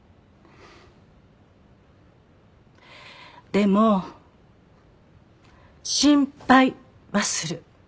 でも心配はする。